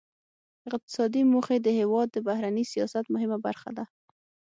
اقتصادي موخې د هیواد د بهرني سیاست مهمه برخه ده